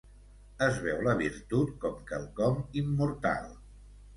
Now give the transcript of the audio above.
Es veu la virtut com quelcom immortal.